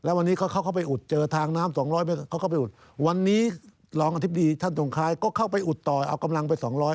วันนี้หลองอธิบดีท่านทรงคลายก็เข้าไปอุดต่อเอากำลังไป๒๐๐